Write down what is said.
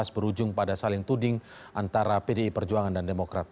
berujung pada saling tuding antara pdi perjuangan dan demokrat